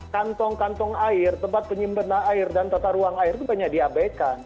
kantong kantong air tempat penyimbenan air dan tata ruang air itu banyak diabaikan